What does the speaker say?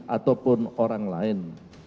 ataupun orang lain